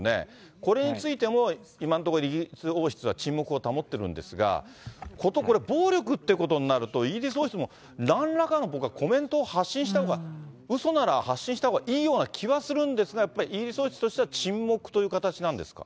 これについても、今のところ、イギリス王室は沈黙を保ってるんですが、ことこれ、暴力ってことになると、イギリス王室もなんらかの、僕はコメントを発信したほうが、うそなら発信したほうがいいような気はするんですが、やっぱりイギリス王室としては沈黙という形なんですか？